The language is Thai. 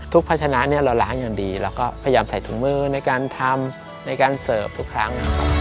พัชนะเนี่ยเราล้างอย่างดีเราก็พยายามใส่ถุงมือในการทำในการเสิร์ฟทุกครั้ง